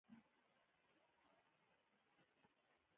د خان عبدالغفار خان مزار په جلال اباد کی دی